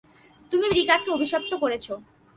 তুমি রিকাকে অভিশপ্ত করেছো।